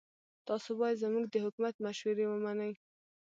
تاسو باید زموږ د حکومت مشورې ومنئ.